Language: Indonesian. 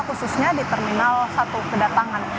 khususnya di terminal satu kedatangan